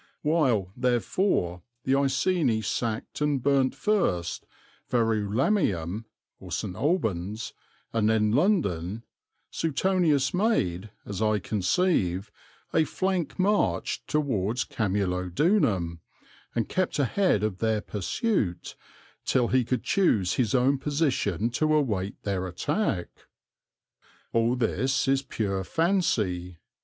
While, therefore, the Iceni sacked and burnt first Verulamium (St. Albans) and then London Suetonius made, as I conceive, a flank march toward Camulodunum, and kept ahead of their pursuit, till he could choose his own position to await their attack." All this is pure fancy.